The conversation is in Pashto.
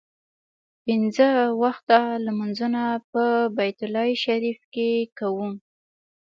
پنځه وخته لمونځونه په بیت الله شریف کې کوو.